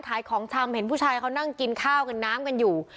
ของชำเห็นผู้ชายเขานั่งกินข้าวกันน้ำกันอยู่